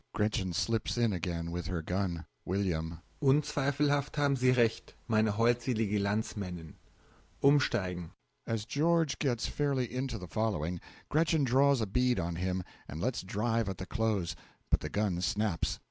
(GRETCHEN slips in again with her gun.) W. Unzweifelhaft haben Sic Recht, meine holdselige Landsmannin.... Umsteigen! (As GEORGE gets fairly into the following, GRETCHEN draws a bead on him, and lets drive at the close, but the gun snaps.)